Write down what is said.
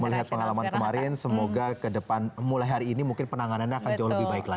melihat pengalaman kemarin semoga ke depan mulai hari ini mungkin penanganannya akan jauh lebih baik lagi